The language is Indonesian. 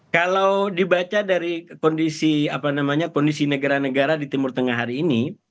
kalau dibaca dari kondisi negara negara di timur tengah hari ini